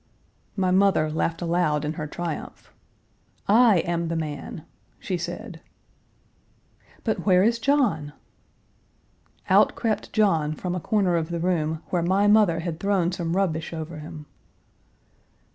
My mother laughed aloud in her triumph. "I am the man," she said. "But where is John?" Out crept John from a corner of the room, where my mother had thrown some rubbish over him.